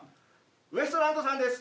ウエストランドさんです